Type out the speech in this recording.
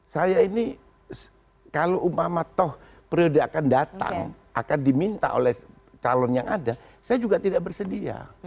saya ini kalau umpama toh periode akan datang akan diminta oleh calon yang ada saya juga tidak bersedia